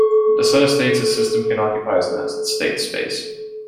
The set of states a system can occupy is known as its state space.